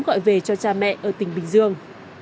gọi về cho cha mẹ ở tỉnh bình dương